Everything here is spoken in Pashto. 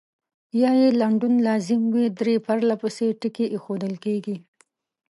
یا یې لنډون لازم وي درې پرلپسې ټکي اېښودل کیږي.